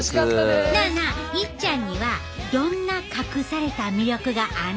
なあなあいっちゃんにはどんな隠された魅力があんのん？